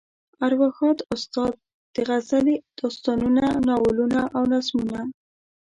ارواښاد استاد غزلې، داستانونه، ناولونه او نظمونه.